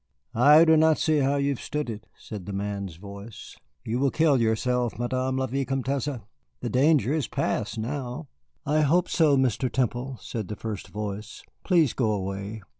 "I do not see how you have stood it," said the man's voice. "You will kill yourself, Madame la Vicomtesse. The danger is past now." "I hope so, Mr. Temple," said the first voice. "Please go away.